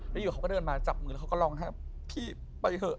แล้วอยู่เขาก็เดินมาจับมือแล้วเขาก็ร้องไห้แบบพี่ไปเถอะ